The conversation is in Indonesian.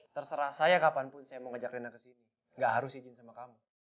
terserah saya kapanpun saya mau ngajak rina kesini gak harus izin sama kamu